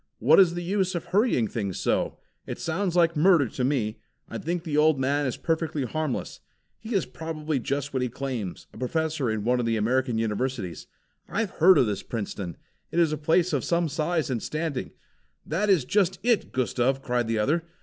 "What is the use of hurrying things so? It sounds like murder to me. I think the old man is perfectly harmless. He is probably just what he claims, a professor in one of the American Universities. I've heard of this Princeton. It is a place of some size and standing." "That is just it, Gustav!" cried the other.